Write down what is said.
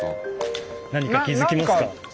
何か気付きますか？